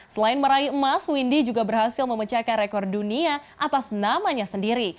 selain meraih emas windy juga berhasil memecahkan rekor dunia atas namanya sendiri